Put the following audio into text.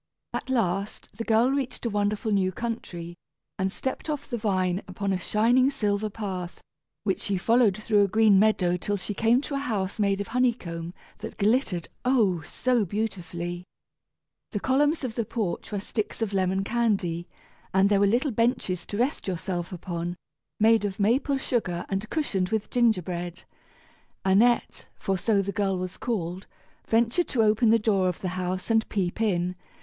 At last the girl reached a wonderful new country, and stepped off the vine upon a shining silver path, which she followed through a green meadow till she came to a house made of honey comb that glittered, oh! so beautifully. The columns of the porch were sticks of lemon candy, and there were little benches to rest yourself upon, made of maple sugar and cushioned with gingerbread. Annette, for so the girl was called, ventured to open the door of the house and peep in.